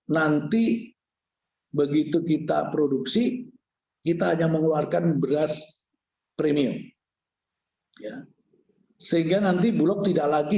nanti begitu kita produksi kita hanya mengeluarkan beras premium sehingga nanti bulog tidak lagi